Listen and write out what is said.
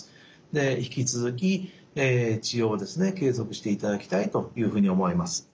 で引き続き治療をですね継続していただきたいというふうに思います。